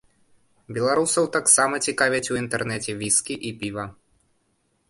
Беларусаў таксама цікавяць у інтэрнэце віскі і піва.